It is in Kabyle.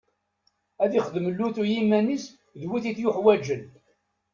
Ad ixdem lutu i yiman-is d wid i t-yuḥwaǧen.